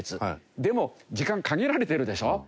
でも時間限られているでしょう？